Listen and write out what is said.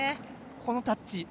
このタッチ。